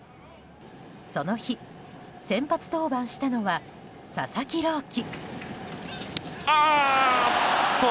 その日、先発登板したのは佐々木朗希。